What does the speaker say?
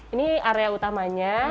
ini area utamanya